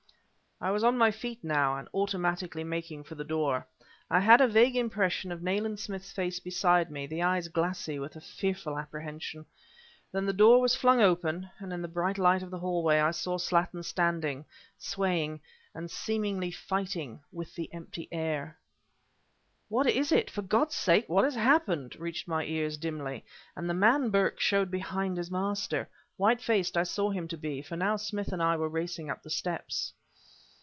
I was on my feet now, and automatically making for the door. I had a vague impression of Nayland Smith's face beside me, the eyes glassy with a fearful apprehension. Then the door was flung open, and, in the bright light of the hall way, I saw Slattin standing swaying and seemingly fighting with the empty air. "What is it? For God's sake, what has happened!" reached my ears dimly and the man Burke showed behind his master. White faced I saw him to be; for now Smith and I were racing up the steps.